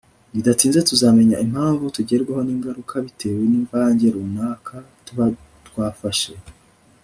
bidatinze tuzamenya impamvu tugerwaho n'ingaruka bitewe n'imvange runaka tuba twafashe